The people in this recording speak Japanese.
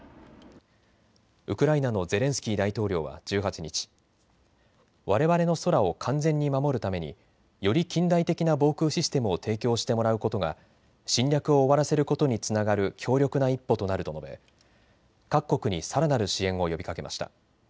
ウクライナのゼレンスキー大統領は１８日、われわれの空を完全に守るためにより近代的な防空システムを提供してもらうことが侵略を終わらせることにつながる強力な一歩となると述べ各国にさらなる支援を呼びかけました。